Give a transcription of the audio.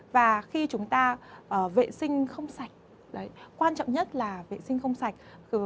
và khi chúng ta vệ sinh không sạch quan trọng nhất là vệ sinh không sạch